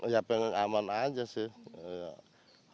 ya pengen aman aja sih